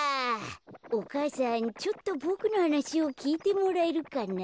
お母さんちょっとボクのはなしをきいてもらえるかな。